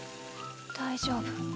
大丈夫。